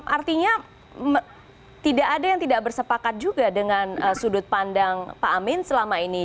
artinya tidak ada yang tidak bersepakat juga dengan sudut pandang pak amin selama ini